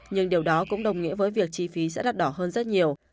nhưng điều đó cũng đồng nghĩa với việc chi phí sẽ đắt đỏ hơn rất nhiều